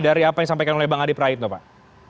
dari apa yang disampaikan oleh bang adi praitno pak